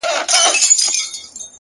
ولاړ انسان به وي ولاړ تر اخریته پوري،